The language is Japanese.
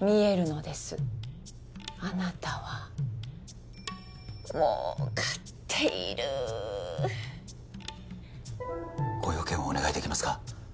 見えるのですあなたは儲かっているご用件をお願いできますか？